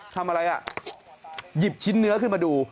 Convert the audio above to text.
ทำอะไรอ่ะหยิบชิ้นเนื้อขึ้นมาดู